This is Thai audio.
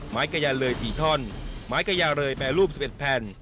ไม้กระยะเลยสี่ท่อนไม้กระยะเลยแปรรูปสิบเอ็ดแผ่น